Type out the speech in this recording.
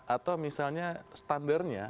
atau misalnya standarnya